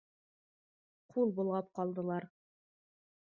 Ҡул болғап ҡалдылар